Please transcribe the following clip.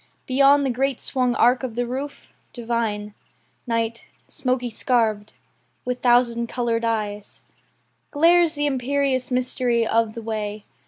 Beyond the great swung arc o' the roof, divine, Night, smoky scarv'd, with thousand coloured eyes Glares the imperious mystery of the way.